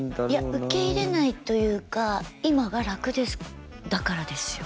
受け入れないというか「今が楽です」だからですよ。